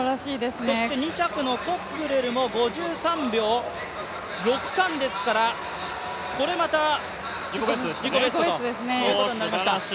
そして２着のコックレルも５３秒６３ですから、これまた自己ベストということになりました。